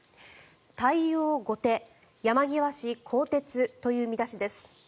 対応後手、山際氏更迭という見出しです。